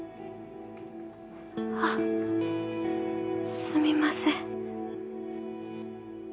あすみません。